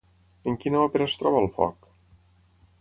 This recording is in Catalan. En quina òpera es troba el foc?